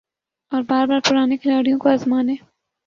اور بار بار پرانے کھلاڑیوں کو آزمانے